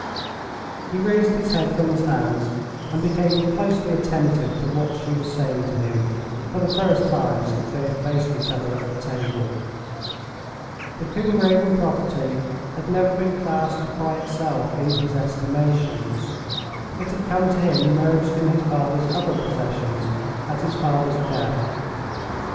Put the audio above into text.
He raised his head from his hands, and became closely attentive to what she was saying to him, for the first time since they had faced each other at the table. The Combe Raven property had never been classed by itself in his estimation. It had come to him merged in his father's other possessions, at his father's death.